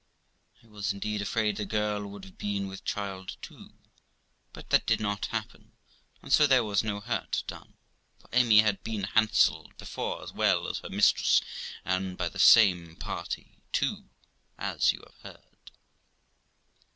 I was, indeed, afraid the girl would have been with child too, but that did not happen, and so there was no hurt done; for Amy had been hanselled before, as well as her mistress, and by the same party too, as you have heard.